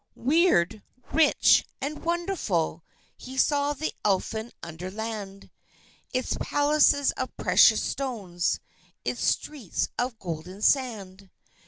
Weird, rich, and wonderful, he saw the Elfin under land, Its palaces of precious stones, its streets of golden sand.